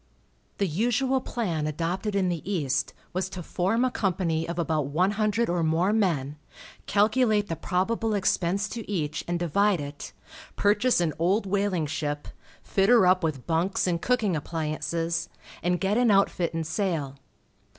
The usual plan adopted in the East was to form a company of about one hundred or more men, calculate the probable expense to each, and divide it, purchase an old whaling ship, fit her up with bunks and cooking appliances, and get an outfit and sail.